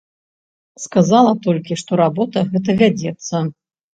Сказала толькі, што работа гэта вядзецца.